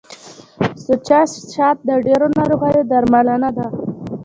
سوچه شات د ډیرو ناروغیو درملنه ده.